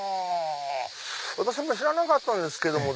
私も知らなかったんですけども。